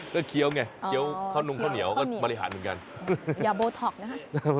ก็เคี้ยวไงเคี้ยวข้าวนงข้าวเหนียวก็บริหารเหมือนกันอย่าโบท็อกนะฮะ